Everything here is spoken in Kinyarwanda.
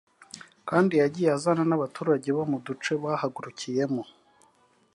kandi yagiye azana n’abaturage bo mu duce bahagurukiyemo